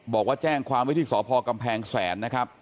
บอกว่าแจ้งความไว้ที่สพกำแพงแสนนะครับ